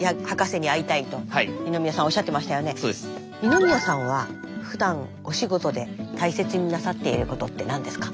二宮さんはふだんお仕事で大切になさっていることって何ですか？